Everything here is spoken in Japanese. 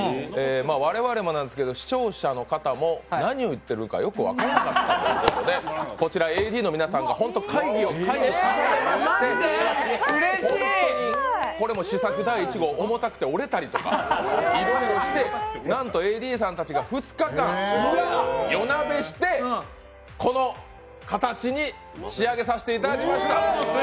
我々もなんですけど視聴者の方も何を言っているのかよく分からなかったということでこちらＡＤの皆さんが会議をして本当に、試作第１号重たくて折れたりとかいろいろして、なんとＡＤさんたちが２日間、夜なべしてこの形に仕上げさせていただきました！